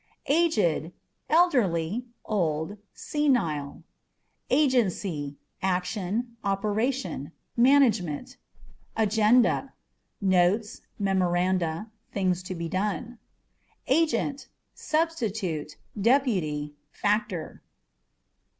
Aged â€" elderly, old, senile. Agency â€" action, operation ; management. Agenda â€" notes, memoranda, things to be done. Agent â€" substitute, deputy, factor.